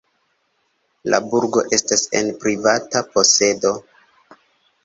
La burgo estas en privata posedo.